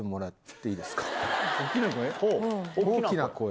大きな声。